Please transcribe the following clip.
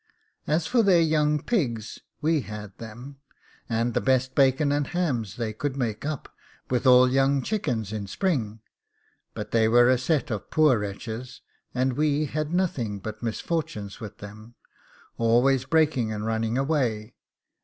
As for their young pigs, we had them, and the best bacon and hams they could make up, with all young chickens in spring; but they were a set of poor wretches, and we had nothing but misfortunes with them, always breaking and running away.